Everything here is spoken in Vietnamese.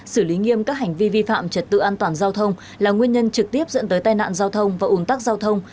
xử lý nghiêm các hành vi vi phạm trật tự an toàn giao thông là nguyên nhân trực tiếp dẫn tới tai nạn giao thông và ủn tắc giao thông